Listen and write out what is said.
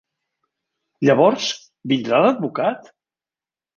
Llavors, vindrà a l'advocat?